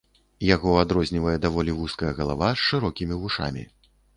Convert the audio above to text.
Яго адрознівае даволі вузкая галава з шырокімі вушамі.